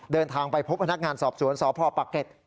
เดินทางไปพบพนักงานสอบสวนสพปะเก็ต